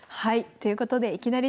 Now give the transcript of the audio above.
ということでいきなり出ます。